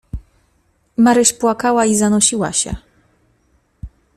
"Maryś płakała i zanosiła się."